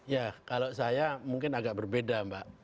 ya kalau saya mungkin agak berbeda mbak